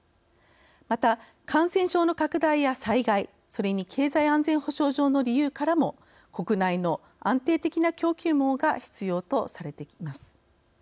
また、感染症の拡大や災害それに経済安全保障上の理由からも国内の安定的な供給網が必要とされています。